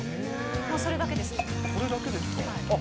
もうそれだけです。